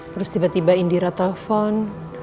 terus tiba tiba indira telepon